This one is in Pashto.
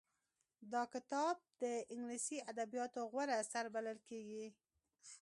دا کتاب د انګليسي ادبياتو غوره اثر بلل کېږي.